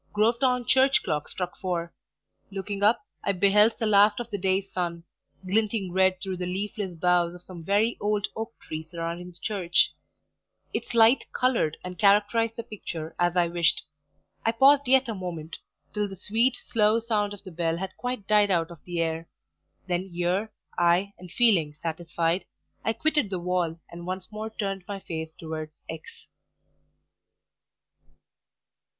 Grovetown church clock struck four; looking up, I beheld the last of that day's sun, glinting red through the leafless boughs of some very old oak trees surrounding the church its light coloured and characterized the picture as I wished. I paused yet a moment, till the sweet, slow sound of the bell had quite died out of the air; then ear, eye and feeling satisfied, I quitted the wall and once more turned my face towards X